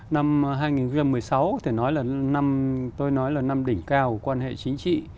năm hai nghìn một mươi sáu có thể nói là năm đỉnh cao của quan hệ chính trị